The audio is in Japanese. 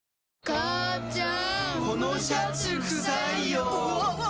母ちゃん！